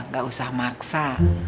gak usah maksa